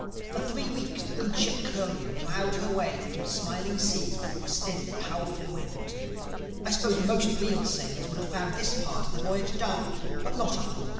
For three weeks the good ship Curlew plowed her way through smiling seas before a steady powerful wind. I suppose most real sailors would have found this part of the voyage dull. But not I.